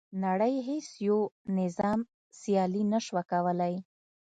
نړۍ هیڅ یو نظام سیالي نه شوه کولای.